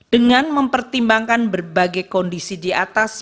dengan mempertimbangkan berbagai kondisi di atas